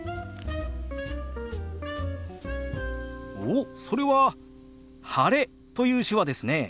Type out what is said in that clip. おっそれは「晴れ」という手話ですね。